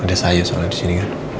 ada sayur soalnya di sini kan